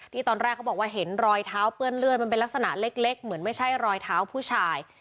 ตอนแรกเขาบอกว่าเห็นรอยเท้าเปื้อนเลือดมันเป็นลักษณะเล็กเหมือนไม่ใช่รอยเท้าผู้ชาย